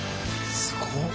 すごっ。